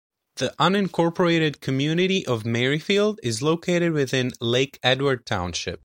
The unincorporated community of Merrifield is located within Lake Edward Township.